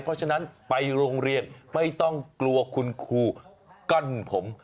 เพราะฉะนั้นไปโรงเรียนไม่ต้องกลัวคุณครูกั้นผม